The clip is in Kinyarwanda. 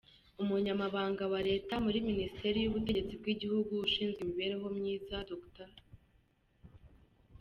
Umunyamabanga wa Leta muri Minisiteri y’Ubutegetsi bw’Igihugu, ushinzwe imibereho myiza Dr.